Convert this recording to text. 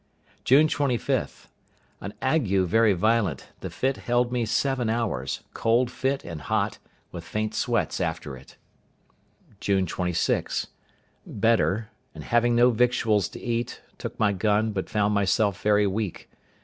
June 25.—An ague very violent; the fit held me seven hours; cold fit and hot, with faint sweats after it. June 26.—Better; and having no victuals to eat, took my gun, but found myself very weak.